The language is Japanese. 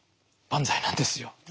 万歳なんですよ。